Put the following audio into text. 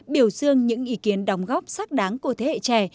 biểu dương những ý kiến đóng góp xác đáng của thế hệ trẻ